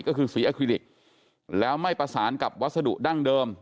ก็คือสีแอคลิลิกแล้วไม่ประสานกับวัสดุดั้งเดิม